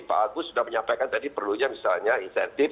pak agus sudah menyampaikan tadi perlunya misalnya insentif